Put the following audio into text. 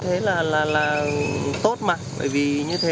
thế là tốt mà bởi vì như thế